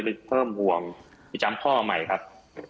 ไปเพิ่มห่วงไปจำพ่อใหม่ครับ